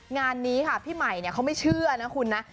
งานนี้ค่ะพี่ใหม่เขาไม่เชื่อนะคุณนะ